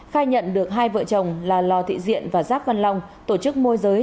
khai nhận được hai vợ chồng là lò thị diện và giáp văn long tổ chức môi giới